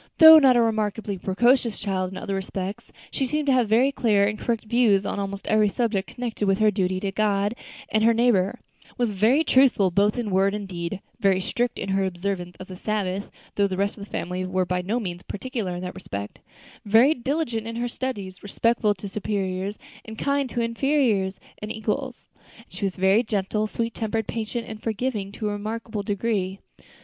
Though not a remarkably precocious child in other respects, she seemed to have very clear and correct views on almost every subject connected with her duty to God and her neighbor; was very truthful both in word and deed, very strict in her observance of the Sabbath though the rest of the family were by no means particular in that respect very diligent in her studies, respectful to superiors, and kind to inferiors and equals; and she was gentle, sweet tempered, patient, and forgiving to a remarkable degree.